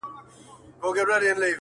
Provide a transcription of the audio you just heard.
هم یې وروڼه هم ورېرونه وه وژلي٫